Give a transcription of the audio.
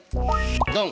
ドン！